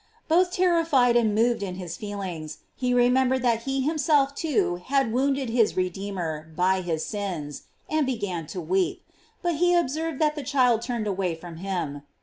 Both terrified and moved in his feelings, he remembered that he himself too had wound ed his Redeemer by his sins, and began to weep, but he observed that the child turned away from him.